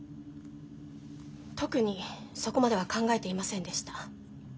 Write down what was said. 特にそこまでは考えていませんでした。